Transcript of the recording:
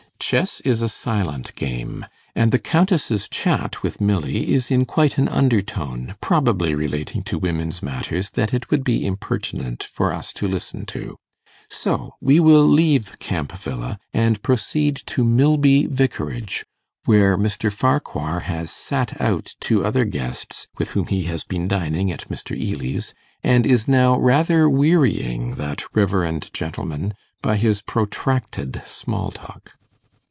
Chess is a silent game; and the Countess's chat with Milly is in quite an under tone probably relating to women's matters that it would be impertinent for us to listen to; so we will leave Camp Villa, and proceed to Milby Vicarage, where Mr. Farquhar has sat out two other guests with whom he has been dining at Mr. Ely's, and is now rather wearying that reverend gentleman by his protracted small talk.